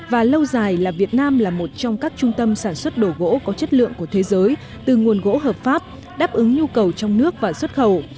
và lâu dài là việt nam là một trong các trung tâm sản xuất đổ gỗ có chất lượng của thế giới từ nguồn gỗ hợp pháp đáp ứng nhu cầu trong nước và xuất khẩu